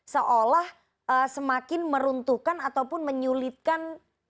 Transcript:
seolah semakin meruntuhkan ataupun menyulitkan